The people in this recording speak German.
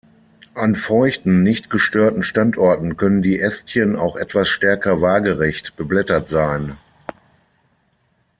An feuchten nicht gestörten Standorten können die Ästchen auch etwas stärker waagerecht beblättert sein.